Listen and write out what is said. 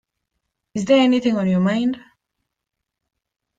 Is there anything on your mind?